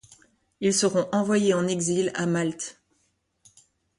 Ils seront envoyés en exil à Malte.